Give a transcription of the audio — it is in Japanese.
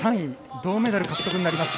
銅メダル獲得になります。